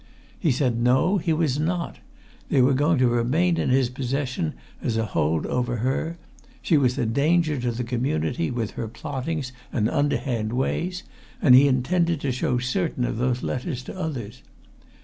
He said no, he was not they were going to remain in his possession as a hold over her; she was a danger to the community with her plottings and underhand ways, and he intended to show certain of those letters to others.